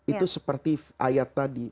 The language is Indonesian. itu seperti ayat tadi